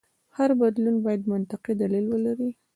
هر بدلون باید منطقي دلیل ولري.